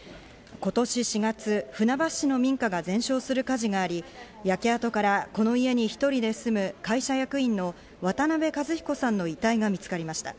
今年４月、船橋市の民家が全焼する火事があり、焼け跡からこの家に１人で住む会社役員の渡辺和彦さんの遺体が見つかりました。